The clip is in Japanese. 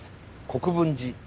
国分寺。